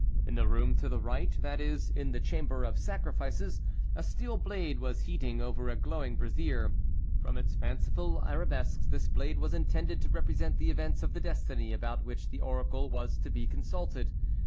In the room to the right, that is, in the chamber of sacrifices, a steel blade was heating over a glowing brazier. From its fanciful arabesques this blade was intended to represent the events of the destiny about which the oracle was to be consulted.